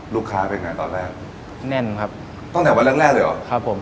เป็นไงตอนแรกแน่นครับตั้งแต่วันแรกแรกเลยเหรอครับผม